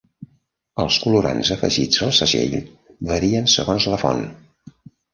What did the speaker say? El colorants afegits al segell varien segons la font.